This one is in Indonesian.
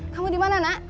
kamu dimana nak